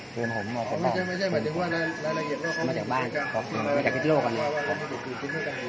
เกิดผมมาจากบ้านมาจากพิโภคก่อนเนี่ย